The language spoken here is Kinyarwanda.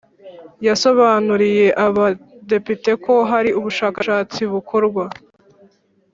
yasobanuriye abadepite ko hari ubushakashatsi bukorwa